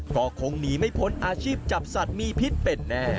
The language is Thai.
ก็คงหนีไม่พ้นอาชีพจับสัตว์มีพิษเป็นแน่